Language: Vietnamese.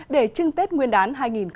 để cấy xuân